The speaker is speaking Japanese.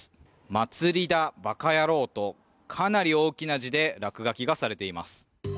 「まつだー、バカやろー」とかなり大きな字で落書きがされています。